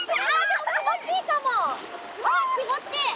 あっ気持ちいい！